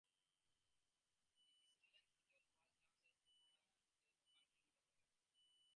The Disneyland Hotel was downsized to accommodate Downtown Disney and surface parking lots.